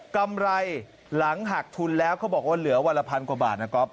กำไรหลังหักทุนแล้วเขาบอกว่าเหลือวันละพันกว่าบาทนะครับ